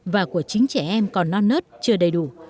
và của chính trẻ em còn non nớt chưa đầy đủ